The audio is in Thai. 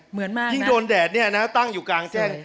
เหมือนมากยิ่งโดนแดดเนี่ยนะตั้งอยู่กลางแจ้ง